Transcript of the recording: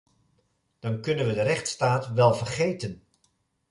Dan kunnen we de rechtsstaat wel vergeten!